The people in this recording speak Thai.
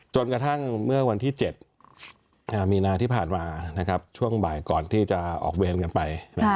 จนกระทั่งเมื่อวันที่๗มีนาที่ผ่านมาช่วงบ่ายก่อนที่จะออกเวรกันไป